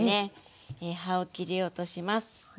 葉を切り落とします。